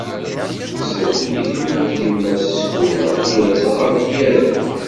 Seld mi temmut yemma-s Sekkura, yerza ɣer Tyaret.